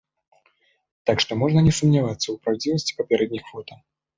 Так што можна не сумнявацца ў праўдзівасці папярэдніх фота.